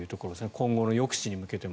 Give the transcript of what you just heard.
今後の抑止に向けても。